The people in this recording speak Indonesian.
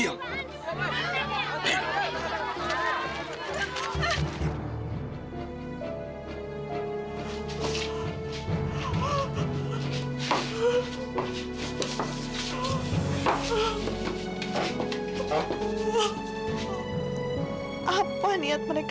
iya lo tuh punya otak